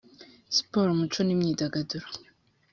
siporo umuco n imyidagaduro